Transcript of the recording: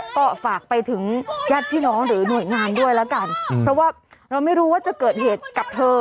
ก็ฝากไปถึงญาติพี่น้องหรือหน่วยงานด้วยแล้วกันเพราะว่าเราไม่รู้ว่าจะเกิดเหตุกับเธอ